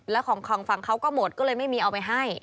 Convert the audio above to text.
แล้วของฝั่งเขาก็หมดก็เลยไม่มีเอาไปให้